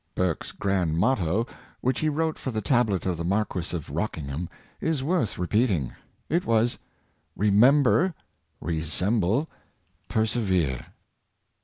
Burke's grand motto, which he wrote for the tablet of the Marquis of Rockingham, is worth re peating. It was, " Remember, resemble, persevere."